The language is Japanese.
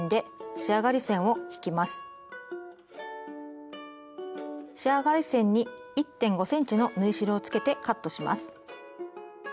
仕上がり線に１．５ｃｍの縫い代をつけてカットします。